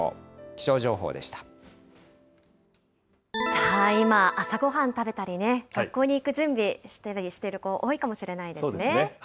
さあ、今、朝ごはん食べたりね、学校に行く準備したりしている子、多いかもしれないですね。